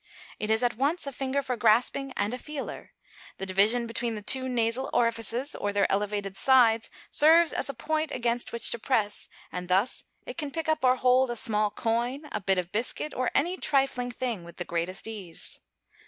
It is at once a finger for grasping and a feeler: the division between the two nasal orifices or their elevated sides serves as a point against which to press; and thus it can pick up or hold a small coin, a bit of biscuit, or any trifling thing with the greatest ease.